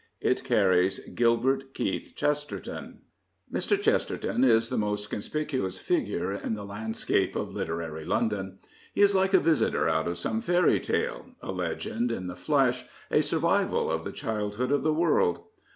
It carries Gilbert Keith Chesterton. Mr. Chesterton is the most conspicuous figure in the landscape of literary London. He is like a visitor out of some fairy tale, a legend in the flesh, a survival of the childhood of the world.